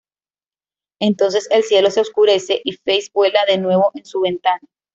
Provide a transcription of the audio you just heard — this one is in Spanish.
Entonces el cielo se oscurece, y Feist vuela de nuevo en su ventana.